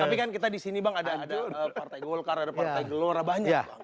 tapi kan kita disini bang ada partai golkar partai gelora banyak bang